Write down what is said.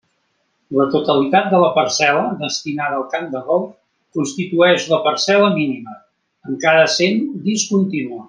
La totalitat de la parcel·la destinada al camp de golf constituïx la parcel·la mínima, encara sent discontínua.